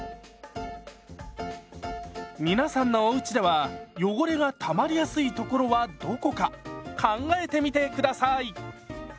皆さんのおうちでは汚れがたまりやすい所はどこか考えてみて下さい！